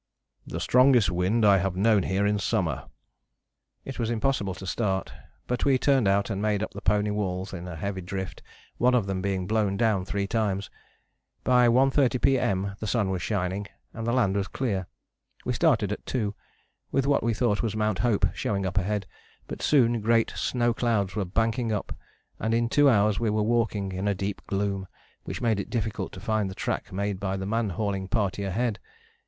"The strongest wind I have known here in summer." It was impossible to start, but we turned out and made up the pony walls in heavy drift, one of them being blown down three times. By 1.30 P.M. the sun was shining, and the land was clear. We started at 2, with what we thought was Mount Hope showing up ahead, but soon great snow clouds were banking up and in two hours we were walking in a deep gloom which made it difficult to find the track made by the man hauling party ahead.